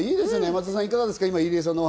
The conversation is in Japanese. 松田さん、いかがですか？